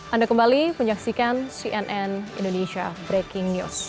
anda kembali menyaksikan cnn indonesia breaking news